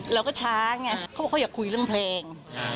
เราก็ช้าไงเขาบอกเขาอยากคุยเรื่องเพลง